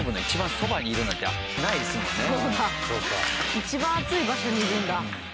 一番暑い場所にいるんだ。